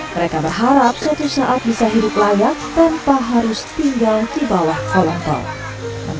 mereka berharap suatu saat bisa hidup layak tanpa harus tinggal di bawah kolong tol